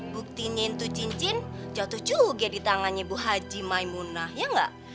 buktinya itu cincin jatuh juga di tangannya bu haji maimunah ya nggak